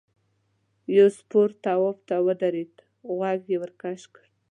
یو سپور تواب ته ودرېد غوږ یې ورکش کړ.